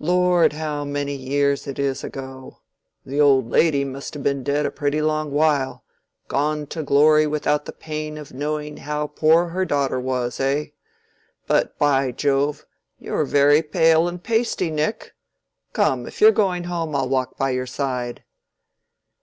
Lord, how many years it is ago! The old lady must have been dead a pretty long while—gone to glory without the pain of knowing how poor her daughter was, eh? But, by Jove! you're very pale and pasty, Nick. Come, if you're going home, I'll walk by your side."